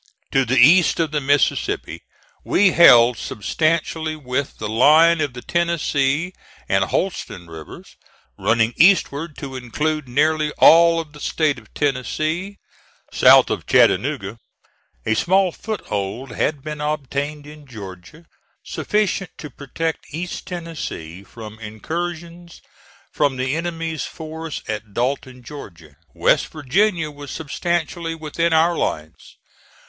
To the east of the Mississippi we held substantially with the line of the Tennessee and Holston rivers, running eastward to include nearly all of the State of Tennessee. South of Chattanooga, a small foothold had been obtained in Georgia, sufficient to protect East Tennessee from incursions from the enemy's force at Dalton, Georgia. West Virginia was substantially within our lines.